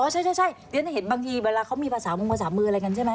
อ๋อใช่ใช่ใช่เดี๋ยวน่าเห็นบางทีเวลาเขามีภาษามงค์ภาษามืออะไรกันใช่ไหม